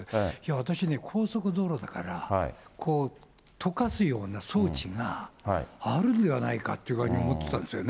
私ね、高速道路だから、とかすような装置があるんではないかという具合に思ってたんですよね。